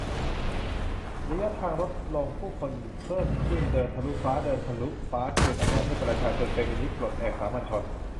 ระยะทางลดลงผู้คนเพิ่มขึ้น เดินทะลุฟ้า เดินทะลุฟ้าคืนอำนาจให้ประชาชน เฟมินิสต์ปลดแอก สามัญชน